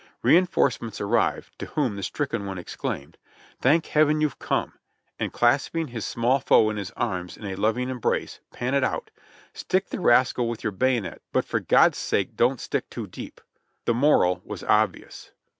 Reinforcements arrived, to whom the stricken one exclaimed : "Thank Heaven, you've com^e !" and clasping his small foe in his arms in a loving embrace, panted out, "Stick the rascal with your bayonet, but for God's sake don't stick too deep!" The moral was obvious.